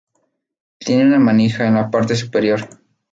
Tiene una manija en la parte superior.